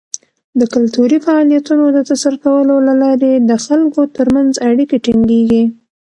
د کلتوري فعالیتونو د ترسره کولو له لارې د خلکو تر منځ اړیکې ټینګیږي.